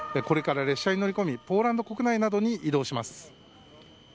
これから列車に乗り込みポーランド国内などに移動します。